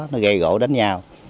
nó gây gỗ đánh nhau